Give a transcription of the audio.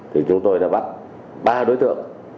thì chúng tôi đã bắt ba đối tượng